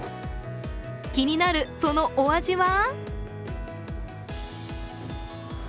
気になるそのお味は？